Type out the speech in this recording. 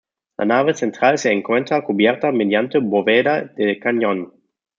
La nave central se encuentra cubierta mediante bóveda de cañón.